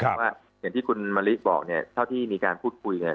เพราะว่าอย่างที่คุณมะลิบอกเนี่ยเท่าที่มีการพูดคุยเนี่ย